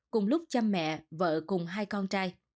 cùng lúc chăm mẹ vợ cùng hai con trai